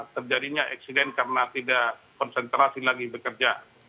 terjadinya eksiden karena tidak konsentrasi lagi bekerja